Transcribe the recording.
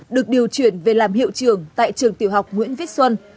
được điều chuyển về làm hiệu trưởng tại trường tiểu học nguyễn viết xuân